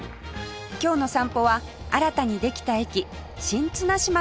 今日の散歩は新たにできた駅新綱島からスタートです